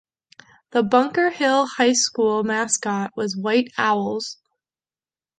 The Bunker Hill High School mascot was White Owls.